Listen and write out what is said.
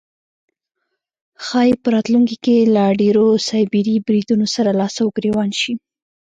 ښایي په راتلونکی کې له لا ډیرو سایبري بریدونو سره لاس او ګریوان شي